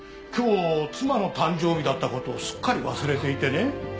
今日妻の誕生日だったことをすっかり忘れていてね。